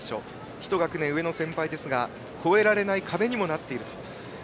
１学年上の先輩ですが越えられない壁にもなっていると。